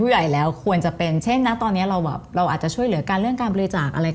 อยากช่วยไม่ใช่